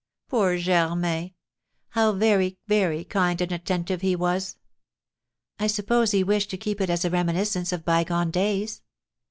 Poor Germain! How very, very kind and attentive he was!" "I suppose he wished to keep it as a reminiscence of bygone days?"